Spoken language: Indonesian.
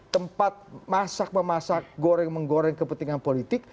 tempat masak memasak goreng menggoreng kepentingan politik